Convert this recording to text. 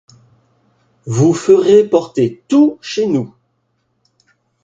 Vous ferez porter tout chez nous.